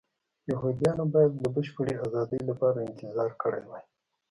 یهودیانو باید د بشپړې ازادۍ لپاره انتظار کړی وای.